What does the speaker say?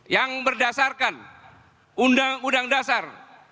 yang berdasarkan undang undang dasar seribu sembilan ratus empat puluh lima